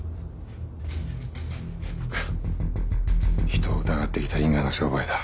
ひとを疑って来た因果な商売だ。